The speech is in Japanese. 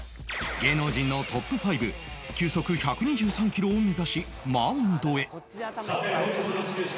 芸能人のトップ５球速１２３キロを目指しマウンドへ